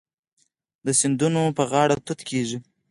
د سیندونو په غاړه توت کیږي.